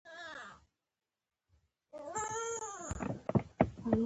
پرې هم په اسانه پوهېدی شي